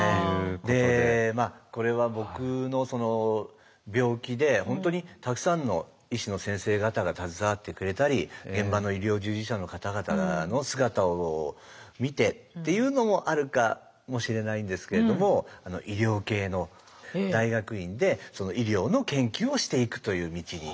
でこれは僕の病気で本当にたくさんの医師の先生方が携わってくれたり現場の医療従事者の方々の姿を見てっていうのもあるかもしれないんですけれども医療系の大学院で医療の研究をしていくという道に。